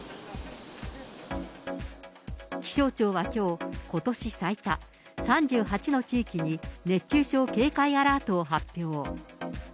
気象庁はきょう、ことし最多、３８の地域に熱中症警戒アラートを発表。